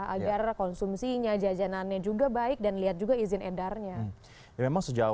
agar konsumsinya jajanannya juga baik dan lihat juga izin edarnya memang sejauh